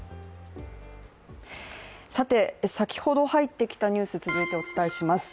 先ほど入ってきたニュース続いてお伝えします。